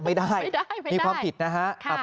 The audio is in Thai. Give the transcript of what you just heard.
ไม่ได้มีความผิดนะฮะ